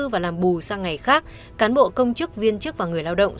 và làm bù sang ngày khác cán bộ công chức viên chức và người lao động